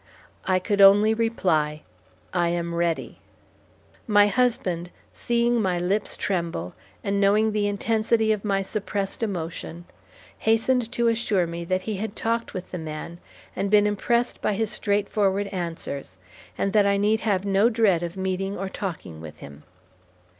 I could only reply, "I am ready." My husband, seeing my lips tremble and knowing the intensity of my suppressed emotion, hastened to assure me that he had talked with the man, and been impressed by his straightforward answers, and that I need have no dread of meeting or talking with him.